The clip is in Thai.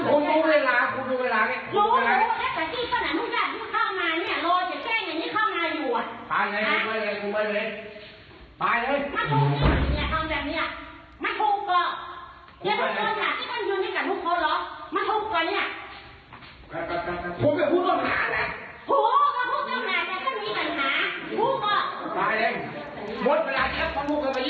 โอ้โหก็พูดกันมากแล้วก็มีปัญหา